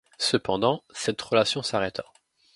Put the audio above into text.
Cependant, cette relation s'arrêta.